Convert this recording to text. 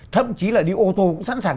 thậm chí là đi ô tô cũng sẵn sàng